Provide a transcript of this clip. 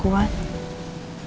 kamu juga jangan emosi ya